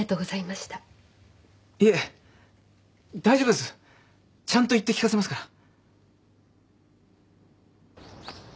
いえ大丈夫ですちゃんと言って聞かせますから。